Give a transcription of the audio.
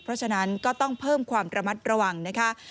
เพราะฉะนั้นก็ต้องเพิ่มความระมัดระวังนะคะ